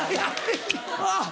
あぁ